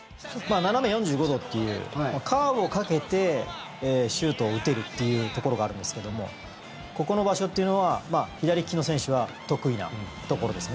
斜め４５度というカーブをかけてシュートを打てるというところがあるんですけどもここの場所というのは左利きの選手は得意なところですね。